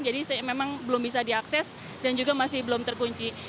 jadi memang belum bisa diakses dan juga masih belum terkunci